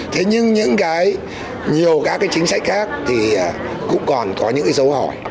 thế nhưng những cái nhiều các cái chính sách khác thì cũng còn có những dấu hỏi